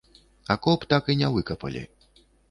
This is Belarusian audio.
Акоп так і не выкапалі.